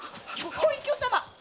御隠居様！